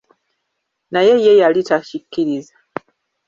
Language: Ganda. Naye ye yali takikiriza.